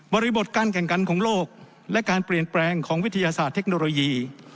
บริบทการแข่งขันของโลกและการเปลี่ยนแปลงของวิทยาศาสตร์เทคโนโลยี